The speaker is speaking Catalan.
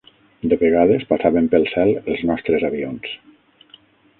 De vegades passaven pel cel els nostres avions